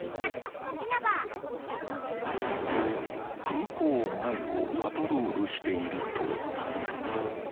［空港前をパトロールしていると］